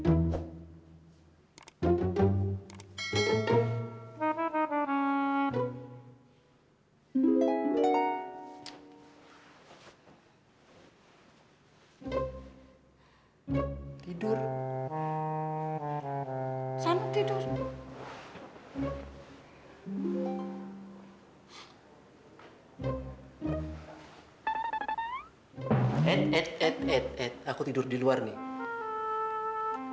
eh eh eh eh eh aku tidur di luar nih